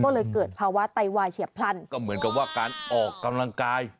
ก็เลยเกิดภาวะไตวายเฉียบพลันก็เหมือนกับว่าการออกกำลังกาย